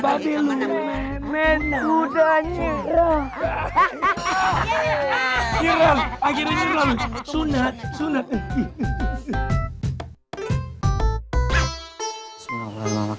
kamu sudah kemanin